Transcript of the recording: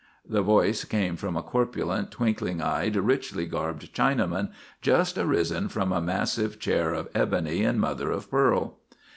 The voice came from a corpulent, twinkling eyed, richly garbed Chinaman just arisen from a massive chair of ebony and mother of pearl.